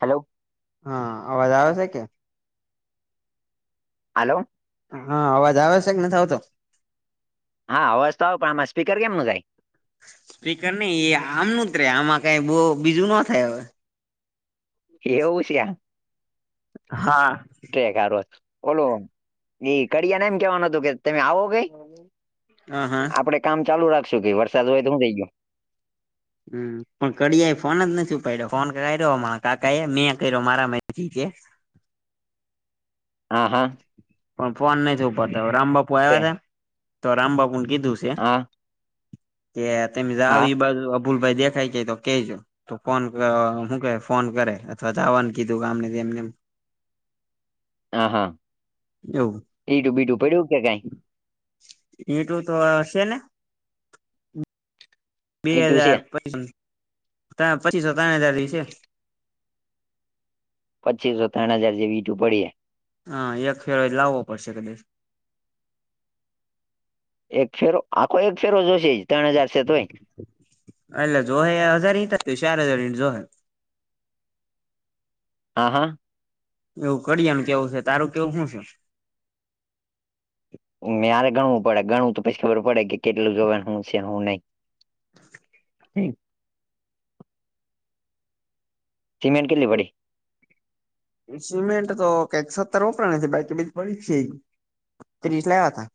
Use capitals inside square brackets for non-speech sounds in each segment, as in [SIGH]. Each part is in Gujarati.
હલો. હા અવાજ આવે છે કે. હલો? હા અવાજ આવે છે કે નથી આવતો? હા અવાજ તો આવ પણ આમાં સ્પીર કેમનું જાય? પકર નહી એ આમનું જ રે આમાં કઈ બ બીજું ન થાય હવે. એવુ છે. હા. ઓલો એ કડિયાને એમ કેવાનું હતું કે તમે આવો કઈ? હ હા આપડે કામ ચાલુ રાખશું કે વરસાદ હોય તો હું થઈ ગયો. હમ પણ કડિયા એ ફોન જ નથી ઉપાડ્યો ફોન કર્યો કાકા એ મેં કર્યો મારા મા છે. હા હા. પણ ફોન નહી છપાતા રામ બાપુ છે આવ્યા હતા તો રામ બાપુ ને કીધું- છે હા. કે તમે હા આવી બાજ અભુલ ભાઈ દેખાય કે તો કેજો. તો ફોન શું કે ફોન કરે અથવા જવાનું કીધું ગામને- - હ હા. એવુ- બીટું બીટું પડું કે કઈ? ટું તો હશે ને બે ઈટું છે હજાર પસ ત પચીસો ત્રણ હજાર દિવસે. પચીસો ત્રણ હજાર જેવી ટું પડી. હા એક ફેર લાવવો પડશે કદાચ. એક ફેરો આખો એક ફેરો જોશે ત્રણ હજાર છે તોય? એટલે જો હ હજાર શાર હજાર જો. હા હા. એવું કરડિયા ન કેવું છે તારું કેવું શું છે? મેરે ગણવું પડે ગણવું તો પછી ખબર પડે કે કેટલું જોવા હું છે હું નહી- - હમ. સિમેન્ટ કેટલી પડી? સિમેન્ટ તો કઈક સત્તર વપરા છે બાકી બીજ પડી છે. ત્રીસ લાવ્યા હતા.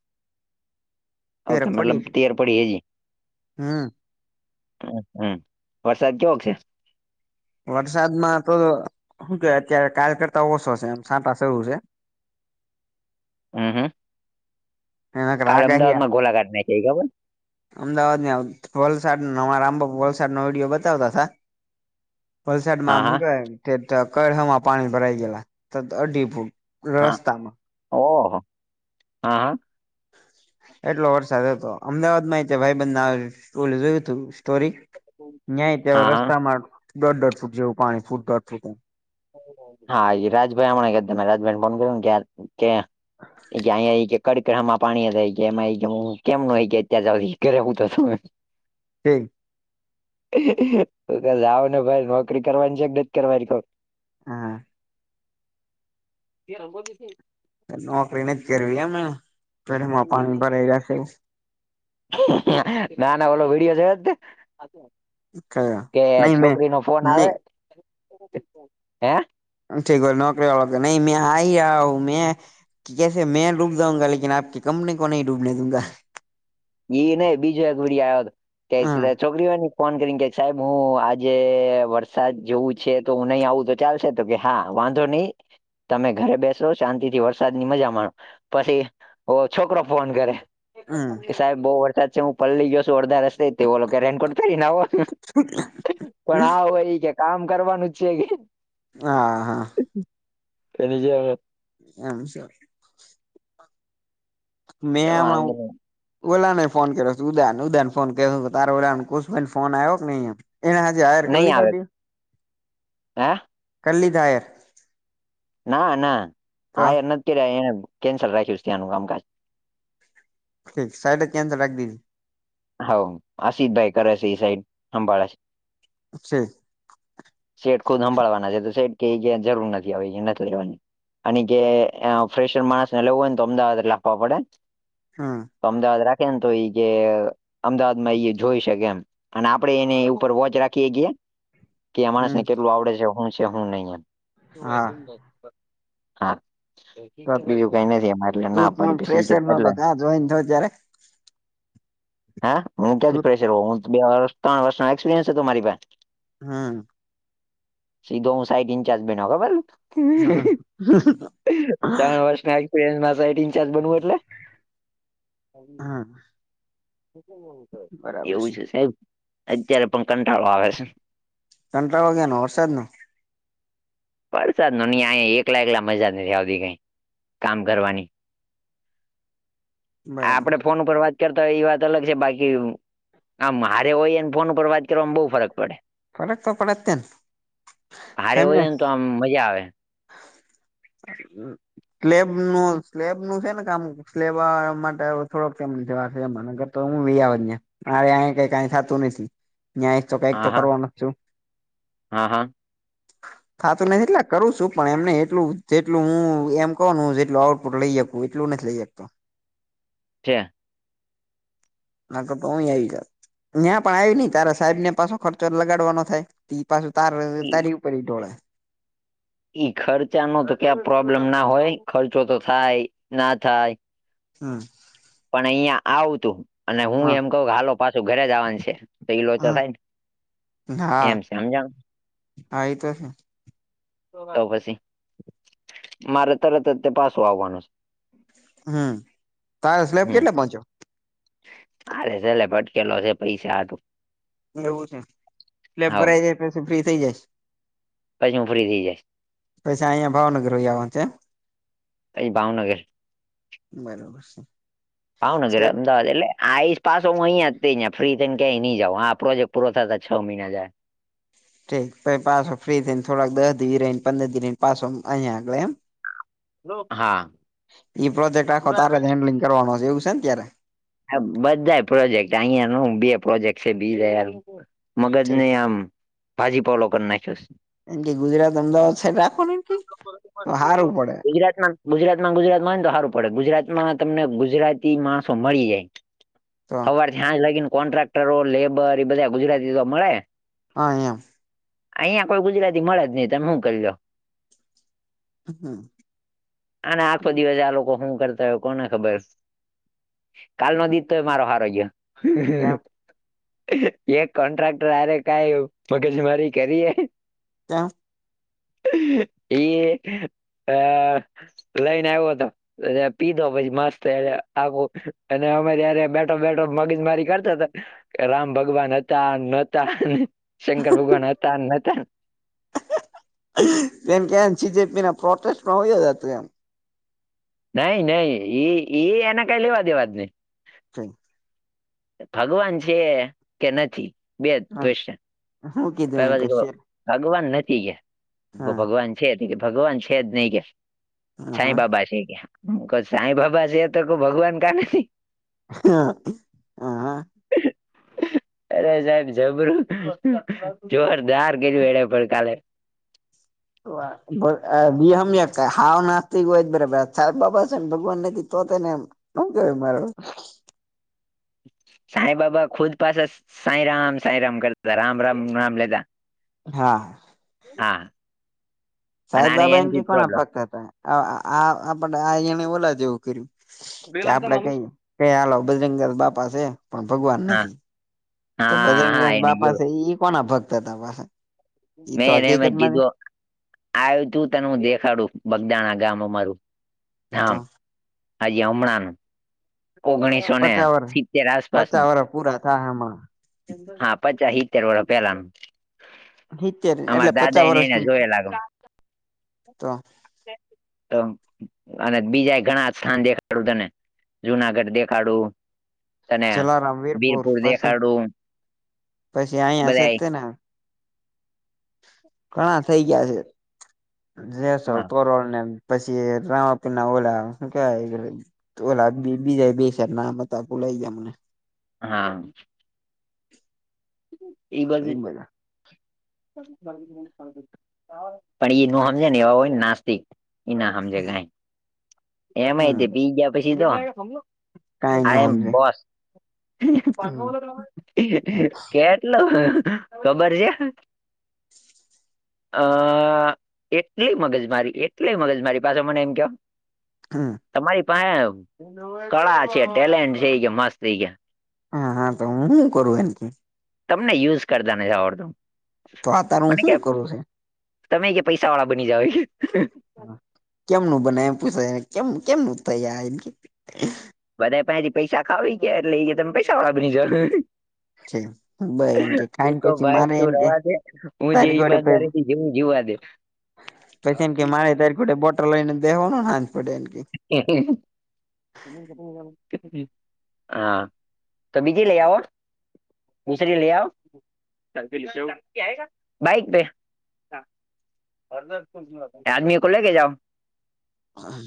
ઓકે તેરક પડી મતલબ છે તેર પડી. હમ હમ હમ વરસાદ કેવો છે? વરસાદમાં તો શું કે અત્યારે કાલ કરતા ઓછો છે છાટા જેવુ છે. હમ હમ. એના કાલે આગાહીયા અમદાવાદમાં ગોલાાટ ના કઈ ખબર? અમદાવાદ ને વલસાડ નવા રામબ વલસાડ નો વિડિયો બતાવતાા હતા. વરસાદ હા મામ હા હું ક- - તે ત કળ હમા પાણી ભરાઈ ગે ત અડી રસ્તામાં- - ઓહ હા હા. [INAUDIBLE] એટલો વરસાદ હતો અમદાવાદ માં ભાઈ બંધને જોયું તું સ્ટોરી. નં ત હા હા રસ્તામાં દોઢ દઢ ફૂટ જેવું પાણી ફૂટ દોઢ ફૂટ. હા રાજભાઈમ કે તમે રાજભાઈને ફોન કર્યો ને કે કે અ- - કડકડામાં પાણી થાય કે એમાં કેમ ન હોય કે અત્યારેવું તો શુ. હમ. આવ ને ભાઈ નોકરી કરવાની છે કે નથી કરવાની ક- - હા. એ રંગોગી- - નોકરી નથી કરવી અમે પઢમાં પાણી ભરાઈ જશે. નાના ઓલો વિડીયો છે. કે નહી મેં છોકરી નો ફોન આવે નહી હે ઠીક નોકરી વાળ કે નઈ મેં આઈ આ હું મેં કે કેસે મેં ડૂબ જઉંગા લકન આપની કંપની કો નહી ડૂબને દુંંગા એ નહ બીજો અઘબરીયો હ છોકરીઓની ફોન કરી કે સાહેબ હું આજે વરસાદ જેવું છે તો હું નહી આવું ચાલશે તો કે હા વાંધો નહી તમે ઘરે બેસો શાંતિ થી વરસાદની મજા માણો પછી ઓ છોકરો ફોન કરે હમ કે સાહેબ બહુ વરસાદ છે હું પલલી ગયો છું અડધાસ તેો રેનકોટ કરીરીને હો પણ આ હો એ કામ કરવાનું છે કે હા હા એનીજે હમ સર મેમણા વાંધો નહી ઓલા ને ફોન કર્યો ઉદા ઉદાને ફોન કર્યો ત ઓશ ફોન આવ્યો કે નહી એના હજ હાયર નહી કલી થ આવે હે કલ્લીધાયર ના ના તો હ ાર નથી કર્યા કેન્સલ રાખ્યું ત્યાંનું કામકાજ ઠક સા ક્યાન્સ રાખ દી હ આસિતભાઈ કરશેઈ સાઈડ હંભાળા છે સેટ ખુદ સાંભાળવાના છે તો સેટ કે્યા જરૂર નથી આવે એ નથી લેવાની અને કે ફ્રેશર માણસ ને લેવું હોય ને તો અમદાવાદ એટ લ આપવા પડે હા તો અમદાવાદ રાખે ને તો એઈ જે અમદાવાદ માં એ જોઈ શકે એમ અને આપડે એને ઉપર વોચ રાખીએ છીએ કે અ માણસ હમ ને કેટલું આવડે છે હું છે હું નહી એમ હા હા તો બીજું કઈ નથી એમાં એટલે ના પડ્યું પછી કે એટલે જોઈને થયો ત્યારે હા હું ક્યાં જ તું ફેશર હું બે ત્રણ વર્ષ ન એક્સપિરયન્સ હતો મારી પાસે હમ સીધો હું સાઈનિગ ઇચાર્જ બનાવું ખબર હમ તણ વર્ષ ના એક્સપિરિયન્સ મા સાઈનિગચાર્જ બનાવું એટલે હમ એવું છે સાહેબ અત્યારે પણ કંટાળો આવે છે. કંટાળો શેનો આવે વરસાદ નો વરસાદ માં અહિયા એકલા એકલા મજા નથી આવતી કઈ કામ કરવાની બરાબર આપડે ફોન ઉપર વાત કરતા હોય એ વાત અલગ છે બાકી આમ હારે હોય એને ફોન ઉપર વાત કરવામાં બહુ ફરક પડે ફરક તો પડે તે તેમને ત્યા આવે સ્લેબ નું સ્લેબ નું છે ને કામ લેવા માટે થોડો [UNINTELLIGIBLE] એન કરતાં હું લઈ આવત મારે અહી કઈ કઈ થાતું નથી ત્યા આવીશ તો કઈક તો હા હા કરવાનું છું હા હા હા થાતું નથી એટલે કરું છું પણ એમને એટલું જેટલું હું એમ કહોનું જેટલું આઉટપુટ લઈ હું એટલું નથી લઈ શકતો છે. હતો તો હું આવી જાત ત્યાં પણ આવી નઈ તારા સાહેબ ને પાછો ખર્ચો લગાડવાનો થાય તી પાછું તાર ઈ તારી ઉપર ધોળે ઈ ખર્ચા ન તો ક્યાં પ્રોબ્લેમ ના હોય ખર્ચો તો થાય ના થાય હમ પણ અહિયાં આવુંતું અને હું હા એમ કહું હાલો પાછું ઘરે જવાનું છે તો ઈલો તો હમ થાય ને હા એમ છે સમજાણું હા એતો છે. તો પછી મારે તરત જ તે પાછું આવવાનું છે. હમ તાર સ્લેબ કેટલે પહોંચ્યો અરે છેલે ભટકેલો છે પૈસા હાતું એવું છે સ્લેપ હાવ ભરાઈ જાય પછી ફ્રી થઇ જાય પછી હું ફ્રી થઈ જઈશ પછી અહિયાં ભાવનગર આવવાનું છે. કઈ ભાવનગર બરોબર છે ભાવનગર સેટ અમદાવાદ એટલે આઈસ પાછો હું અહીંયા જં ફ્રી થઈ ને કઈ નઈં જાઉ આ પ્રોજેક્ટ પૂરો થતા છ મહિના જાય ઠીક પછી પાછો ફ્રી થઈ ને થોડાક દસ દિવ રહીને પંદર દિવ રહી ને પાછો અહીયા આગળ એમ જાય હા પ્રોજેક્ટ આખો તારે હેન્ડલિંગ કરવાનો છે એવું છે ને ત્યારે બધા પ્રોજેક્ટ અહિયાં ન બે પ્રોજેક્ટ છે બી મગજ ઠીક. ને આમ ભાજીપુલો કર નાખીઓ સ એમ કે ગુજરાત અમદાવાદ છે રાખો ને એમ કે તો હારુ પડે ગુજરાત માં ગુજરાત માં ને તો સારું પડે ગુજરાત માં તમને ગુજરાતી માણસો મળી જાય તો સવારથી સાંજ લાગીને કોન્ટ્રાક્ટરો લેબર એ બધા ગુજરાતી તો મળે હા એમ અહિયાં કોઈ ગુજરાતી મળે જ નહી તમે હું કરીલો અને આખો દિવસ આ લોકો શું કરતા હોય કોને ખબર કાલ નો દી તો એ મારો હારો ગયો એક કોન્ટ્રાક્ટર આરે કઈવું મગજ મારી કરીએ. ત્યા એ આ લઈને આવ્યો તો એ પીધો પછી માસ્ટર આખો અને અમે જ્યારે બેઠા બેઠા મગજ મારી કરતા તા રામ ભગવાન હતા ને નોતા, શંકર ભગવાન હતા ને નોતા. એમ કે જીજેપી ના પ્રોટેસ્ટમાં હો ગિયા કે એમ નઈ નઈ એ એના કઈ લેવા દેવા જ નય. થઈ. ભગવાન છે કે નથી બે જ ક્વેશન? હા. પણ જો ભગવાન નથી કે હા ભગવાન છે કે ભગવાન છે જ નય કે. હા સાંઈબાબા છે કે તો સાંઈબાબા છે તો કો ભગવાન કાથી હા. હા અરે સાહેબ જબરું જોરદાર કીધું એણે ભઈ કાલે. વિહમ્ય હાવ નાસ્ટિક હોય તો બરાબર સાંઈબાબા છે ને ભગવાન નથી. તો તેને શું કે મારે. સાંઈબાબા ખુદ પાછા સાંઈ રામ સાંઈ રામ કરતા રામ રામ રામ લેતા. હા. હા. અને આને સાંઈબાબા ના એનથી તો જ ઘણા પ્રોબ્લેમ ભકત હતા આ બધા આ એને ઓલા જેવું કર્યું. કે બેલમતા આપડે માણુસ કઈ કઈ હાલો બજરંગ બાપા છે પણ ભગવાન હા નથી. તો હા હા બજંરગ એને બાપા જોયું છે ઈ કોના ભક્ત હતા પાછા. ઈ મે તો એને મત હકીકત માં કીધો આવ તું તને હું દેખાડું બગદાણા ગામ અમારું તો ધામ. હાજી હમણાનું ઓગણીસોને પચા વર સિત્તેર આસપાસનું. પચા વરષ પૂરા થાય હમણાં હા પચા સિતેર વરસ પેલાનું. સિત્તેર એટલે અમારા દાદા પચાસ ઈના વર્ષની જેવા લાગે. તો તેમ અને બીજા ઘણા સ્થાન દેખાડું તને. જુનાગઢ દેખાડું. તને જલારામ વીરપુર પછી દેખાડું પછી અહિયાં છે બધા યે તેને ઘણા થઇ ગયા છે જેસલ હા તોરલ ને પસી રામા પીના ઓલા શું કેવાય તો બીજાય બે નામ હતા ભૂલાય ગયા મને. હા. [INAUDIBLE] ઈ બાજુ એ બધા પણ એ નો સમજે ને એવા હોય ને નાસ્ટિક ઈ ના સમજે કે નાય એમય હમ તો બીજા પછી તો કઈ ન આય એમ સમજે બોસ. કેટલું ખબર છે. [INAUDIBLE] અ એટલી મગજમારી, એટલી મગજ મારી પાછા મને એમ કેય હમમ. તમારી પાસે કળા છે, ટેલેન્ટ છે એ કે મસ્ત એ કે. હા હા તો હું કરું એમકે. તમને યુઝ કરતા નથી આવડતું. તો આ તાર હું મને કે શું કરું છ તમે કે પૈસા વાળા બની જાઓ. કેમનું બને એમ પૂછાય કે કેમનું થઈ. બધા પથી પૈસા ખાવી ગયા એટલે એ કે તમે પૈસા વાળા બ જ. છે બ એમ કે ખાઈને શ પછી ભાઈ મારે શું એમ કે રવાજે હું જે તારી ઘોડે ઈમાનદારી. જેવું જવા દે. પછી એમ કે મારે તારી બોટર લઈને બેેવાનું ના પડે એમ કે. હા. તો બીજી લઈ આવો મિશ્રી લઈ આવો. Bike pay. આદમી કો લે જાઓ. હા.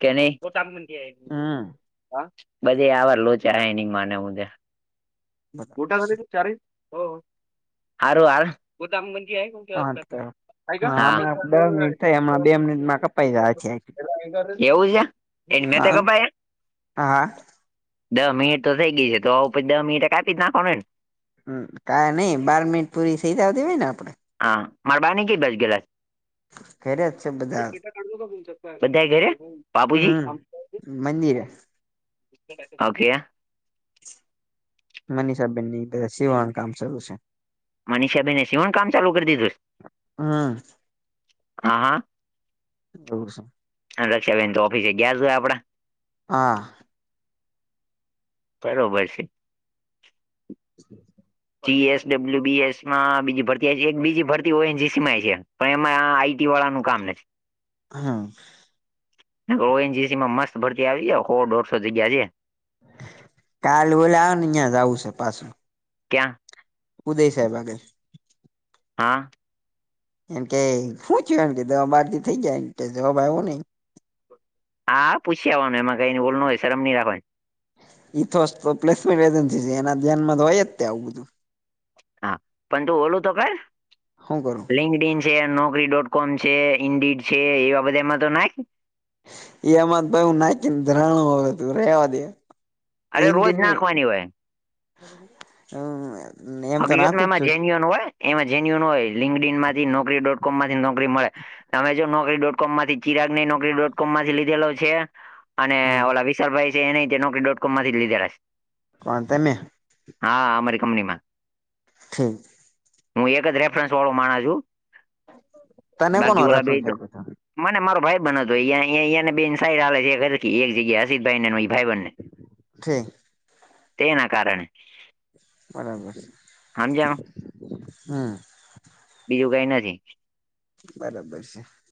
કેને ત મ. હા. બધ આવાર લોચારને હટા. ઓ હારું હ ગોદામ મજી કોસ્. હા આ. હમણાં દસ મિનિટ થઈ હમણાં બે મિનિટમાં કપાઈ જાય છે એવું છે એની મે તો હા કપાઈ. હા દ મિનિટ તો થઈ ગઈી તો આવ પછી દ મિનિટે કાપી જ નાખો ને. હમ કા નઈિ બારમીટ પુરી સઈતા દેવાય ને આપડે. હા મારબની ક બચ ગ છે. હ. ખેરીયત છે બધું? બધાએ ઘેરે બાપુજી? મંજીરા ઓકે. મનીષાબેનની સીવણ કામ શરૂ છે. મનીષાબેને એ સીવણ કામ ચાલુ કરી દીધું? હમ હા હા. [UNINTELLIGIBLE] રક્ષા બેન તો ઓફિસે ગયા છે આપડા. હા. બરોબર છે. [INAUDIBLE] C S W B S માં બીજી ભરતી આવી છે એક બીજી ભરતી ઓ એન જી સી માં એ છે, પણ એમાં પીવા વાળા નું કામ નથી. હ. ઓ એન જીસી માં મસ્ત ભરતી આવી છે હો દોઢસો જગ્યા છે. કાલ ઓલા ઓ ને ન્યાં જાવું સે પાસુ. ક્યાં? ઉદય સાહેબ આગળ. હા. એમ કે હું થયું એમ કે દહ બાર દી થઇ ગિયા એમ કે જવાબ આયવો નઈ. હા પૂછી આવવાનું એમાં કઈની બોલનું હોય શરમ ની રાખવાની. ઇથોસ તો પ્લેસમેન્ટ એજન્સી છે એના ધ્યાનમાં તો હોય જ આવું બધું. હા, પણ તું ઓલું તો કહે. હું કરો? લિંકડ ઈન છે નોકરી ડોટ કોમ છે ઇન્ડિડ છે એવા બધા માં તો નાખ. એમાં તો ભાઈ હું નાખીને ધરાણો હવે તું રેવા દે. અરે લિંકડ રોજ ઇન નઈ, નાખવાની હોય હમ. હકીકતમાં એમાં જેન્યુન હોય એમાં જેન્યુન હોય લિંકડીન માંથી નોકરી ડોટ કોમ માંથી નોકરી મળે. તમે જો નોકરી ડોટ કોમ માંથી ચિરાગ ને નોકરી ડોટ કોમ માંથી લીધેલો છે. અને હા ઓલા વિશાલભાઈ છે એને એ ત્યાં નોકરી ડોટ કોમમાંથી જ લીધેલા છે. કોણ તમે? હા અમારી કંપનીમાં. ઠી હું એક જ રેફરન્સ વાળો માણસ છું, તને કોનો બાકી ઓલા બે રેફરન્સ તો આપ્યો મને મારો ભાઇબંધ હતો ને બે ઇનસાઈડ આવે છે ઘરેથી એક જગ્યા હશિત ભાઈ ને ઈ ભાઈબંધ ને. ઠી. તેના કારણે. બરાબર છે. [UNINTELLIGIBLE] હમ. બીજું કઈ નથી. બરાબર છે.